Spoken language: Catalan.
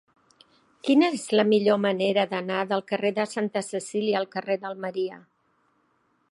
Quina és la millor manera d'anar del carrer de Santa Cecília al carrer d'Almeria?